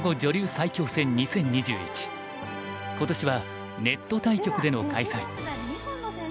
今年はネット対局での開催。